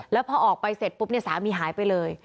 แล้วพอออกไปเสร็จปุ๊บเนี่ยสามีหายไปเลย